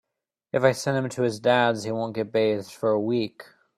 If I send him to his Dad’s he won’t get bathed for a week.